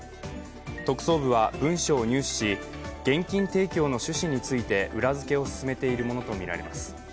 特捜部は文書を入手し、現金提供の趣旨について裏付けを進めているものをみられます。